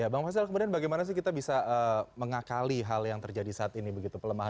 bang faisal kemudian bagaimana sih kita bisa mengakali hal yang terjadi saat ini begitu pelemahan